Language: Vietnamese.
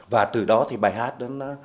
và từ đó thì bài hát đó